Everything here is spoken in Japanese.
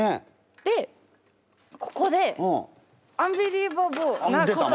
でここでアンビリバボーなことが。